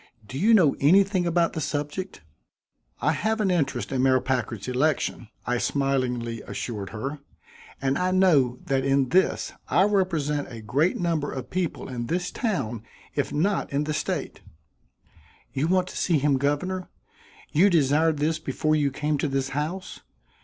Do you know anything about the subject?" "I have an interest in Mayor Packard's election," I smilingly assured her; "and I know that in this I represent a great number of people in this town if not in the state." "You want to see him governor? You desired this before you came to this house?